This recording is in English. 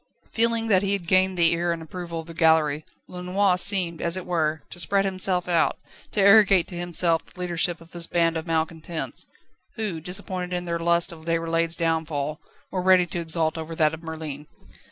Feeling that he had gained the ear and approval of the gallery, Lenoir seemed, as it were, to spread himself out, to arrogate to himself the leadership of this band of malcontents, who, disappointed in their lust of Déroulède's downfall, were ready to exult over that of Merlin.